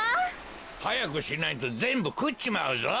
はやくしないとぜんぶくっちまうぞ。